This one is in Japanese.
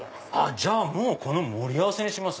じゃあこの盛り合わせにします